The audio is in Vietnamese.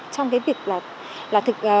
trong cái việc là